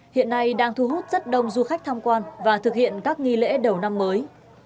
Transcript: hiện nay đang thu hút rất đông du khách tham quan và thực hiện các nghi lễ đầu năm mới